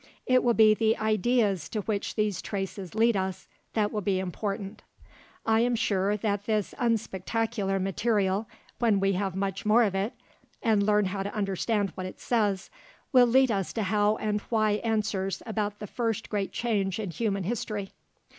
It will be the ideas to which these traces lead us that will be important. I am sure that this unspectacular material when we have much more of it, and learn how to understand what it says will lead us to how and why answers about the first great change in human history.